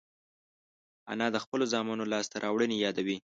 انا د خپلو زامنو لاسته راوړنې یادوي